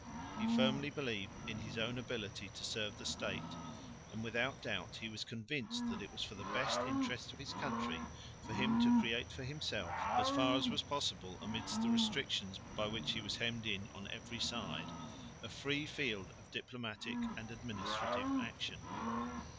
He firmly believed in his own ability to serve the State, and, without doubt, he was convinced that it was for the best interest of his country for him to create for himself, as far as was possible amidst the restrictions by which he was hemmed in on every side, a free field of diplomatic and administrative action.